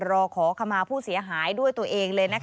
รอขอขมาผู้เสียหายด้วยตัวเองเลย